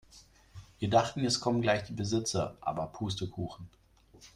Wir dachten jetzt kommen gleich die Besitzer, aber Pustekuchen.